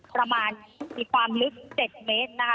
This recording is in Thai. ประมาณมีความลึก๗เมตรนะคะ